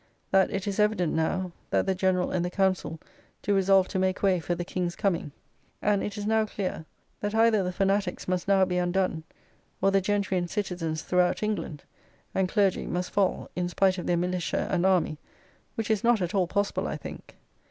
That it is evident now that the General and the Council do resolve to make way for the King's coming. And it is now clear that either the Fanatiques must now be undone, or the gentry and citizens throughout England, and clergy must fall, in spite of their militia and army, which is not at all possible I think.